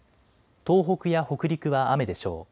東北や北陸は雨でしょう。